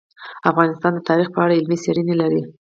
افغانستان د تاریخ په اړه علمي څېړنې لري.